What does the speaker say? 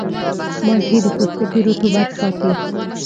مالټې د پوستکي رطوبت ساتي.